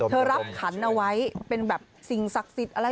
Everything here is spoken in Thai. รับขันเอาไว้เป็นแบบสิ่งศักดิ์สิทธิ์อะไร